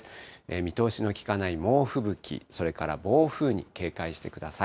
見通しのきかない猛吹雪、それから暴風に警戒してください。